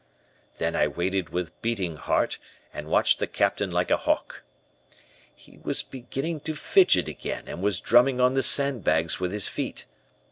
"Then I waited with beating heart, and watched the Captain like a hawk. "He was beginning to fidget again and was drumming on the sandbags with his feet.